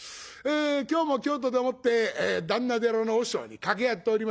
今日も今日とでもって檀那寺の和尚に掛け合っておりましてね。